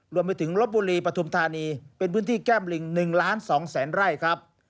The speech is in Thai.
รวมไปถึงลบบุรีปฐุมธานีเป็นพื้นที่แก้มลิง๑ล้าน๒แสนไร่ครับ